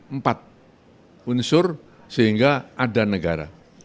empat unsur sehingga ada negara